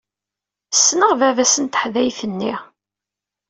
Sneɣ baba-s n teḥdayt-nni.